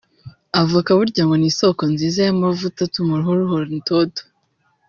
Avoka burya ngo ni isoko nziza y’amavuta atuma uruhu ruhorana itoto